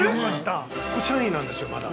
◆これ３位なんですよ、まだ。